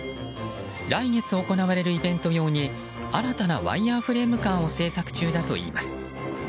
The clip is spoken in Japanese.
来月、行われるイベント用に新たなワイヤーフレームカーを製作中だといいます。